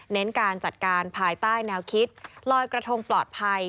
เน้นการจัดการภายใต้แนวคิดลอยกระทงปลอดภัย